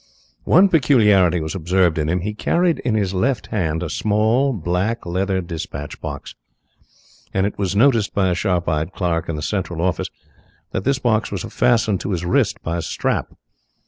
One peculiarity was observed in him. He carried in his left hand a small black, leather dispatch box, and it was noticed by a sharp eyed clerk in the Central office that this box was fastened to his wrist by a strap.